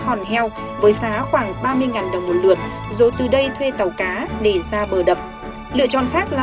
hòn heo với giá khoảng ba mươi đồng một lượt rồi từ đây thuê tàu cá để ra bờ đập lựa chọn khác là